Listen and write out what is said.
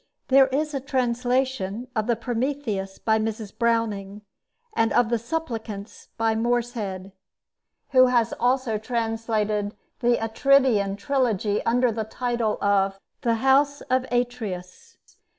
There is a translation of the 'Prometheus' by Mrs. Browning, and of the 'Suppliants' by Morshead, who has also translated the Atridean trilogy under the title of 'The House of Atreus.'